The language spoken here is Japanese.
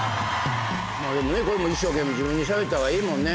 でもねこれも一生懸命自分でしゃべった方がいいもんね。